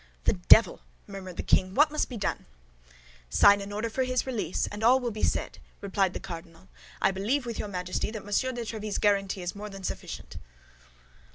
"The devil!" murmured the king; "what must be done?" "Sign an order for his release, and all will be said," replied the cardinal. "I believe with your Majesty that Monsieur de Tréville's guarantee is more than sufficient."